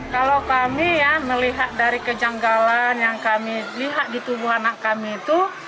kalau kami ya melihat dari kejanggalan yang kami lihat di tubuh anak kami itu